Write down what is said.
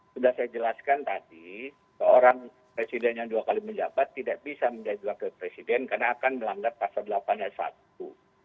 sudah saya jelaskan tadi seorang presiden yang dua kali menjabat tidak bisa menjadi wakil presiden karena akan melanggar pasal delapan ayat satu